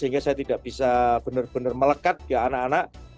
sehingga saya tidak bisa benar benar melekat ke anak anak